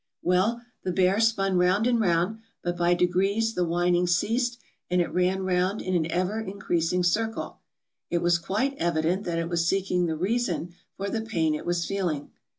"Well, the bear spun round and round, but by degrees the whining ceased, and it ran round in an ever increasing circle: it was quite evident that it was seeking the reason for the pain it was feeling.